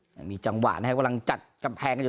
หน้ามีจังหวะฟังพลังจัดกำแพงกันอยู่